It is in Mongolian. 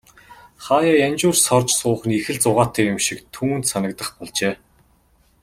Хааяа янжуур сорж суух нь их л зугаатай юм шиг түүнд санагдах болжээ.